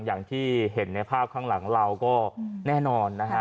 อย่างที่เห็นในภาพข้างหลังเราก็แน่นอนนะฮะ